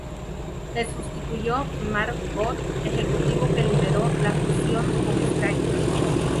Le sustituyó Mark Booth, ejecutivo que lideró la fusión con Sky.